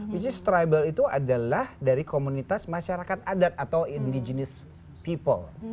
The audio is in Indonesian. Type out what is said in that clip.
which is trible itu adalah dari komunitas masyarakat adat atau indigenius people